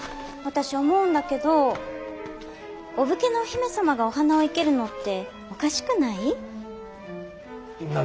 私思うんだけどお武家のお姫様がお花を生けるのっておかしくない？